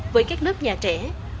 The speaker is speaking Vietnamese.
với các lớp nhà trẻ